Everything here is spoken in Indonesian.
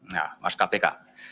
nah mars kpk